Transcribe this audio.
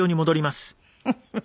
フフフ。